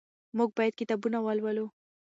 موږ باید کتابونه ولولو.